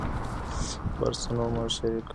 برسونه مه شریکوئ.